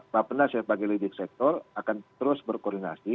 pak penas yang panggil lidik sektor akan terus berkoordinasi